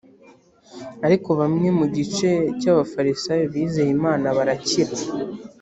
ariko bamwe bo mu gice cy abafarisayo bizeye imana barakira